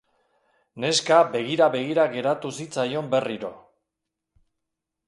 Neska begira-begira geratu zitzaion berriro.